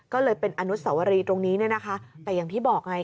ก็เลยเป็นอนุสวรีตรงนี้แต่อย่างที่บอกไง